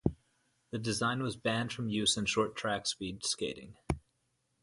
The design was banned from use in short track speed skating.